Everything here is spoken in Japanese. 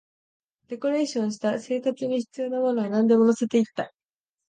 デコレーションした、生活に必要なものはなんでも乗せていった